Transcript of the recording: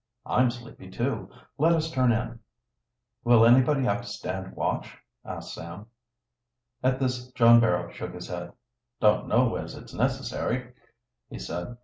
"I'm sleepy, too. Let us turn in." "Will anybody have to stand watch?" asked Sam. At this John Barrow shook his head. "Don't know as it's necessary," he said.